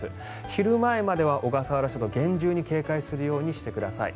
昼前までは小笠原諸島厳重に警戒するようにしてください。